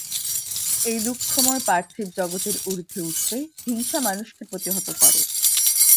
এই দুঃখময় পার্থিব জগতের ঊর্ধ্বে উঠতে হিংসা মানুষকে প্রতিহত করে।